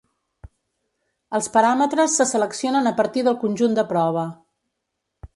Els paràmetres se seleccionen a partir del conjunt de prova.